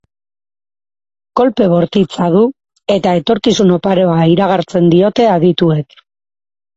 Kolpe bortitza du, eta etorkizun oparoa iragartzen diote adituek.